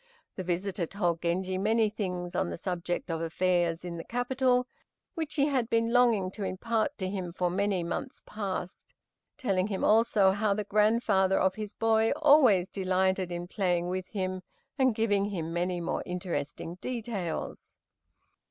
The visitor told Genji many things on the subject of affairs in the capital, which he had been longing to impart to him for many months past; telling him also how the grandfather of his boy always delighted in playing with him, and giving him many more interesting details.